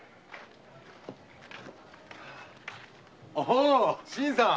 おお新さん。